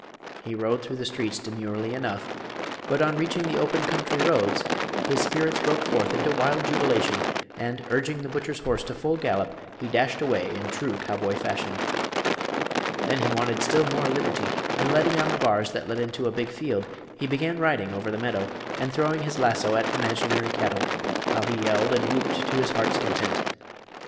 He rode through the streets demurely enough, but on reaching the open country roads his spirits broke forth into wild jubilation, and, urging the butcher's horse to full gallop, he dashed away in true cowboy fashion. Then he wanted still more liberty, and letting down the bars that led into a big field he began riding over the meadow and throwing his lasso at imaginary cattle, while he yelled and whooped to his heart's content.